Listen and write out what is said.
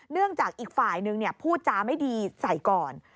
เนื่องจากอีกฝ่ายหนึ่งพูดจาไม่ดีใส่ก่อน